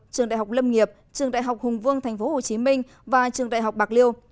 trường đại học lâm nghiệp trường đại học hùng vương tp hcm và trường đại học bạc liêu